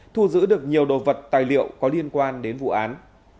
thu giữ được nhiều đồ vật tài liệu có liên quan đến vụ án